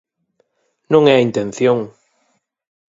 Non é a intención.